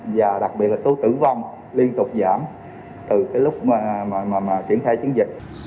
và đặc biệt là số tử vong liên tục giảm từ lúc mà triển khai chiến dịch